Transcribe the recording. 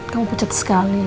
kamu pucat sekali